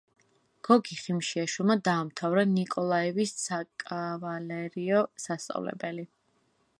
გოგი ხიმშიაშვილმა დაამთავრა ნიკოლაევის საკავალერიო სასწავლებელი.